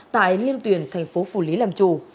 tại liên tuyển tp phủ lý làm chủ